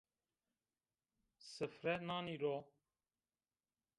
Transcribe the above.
Sifre nanî ro